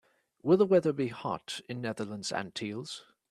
Will the weather be hot in Netherlands Antilles?